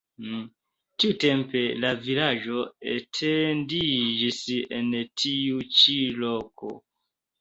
Tiutempe la vilaĝo etendiĝis en tiu ĉi loko.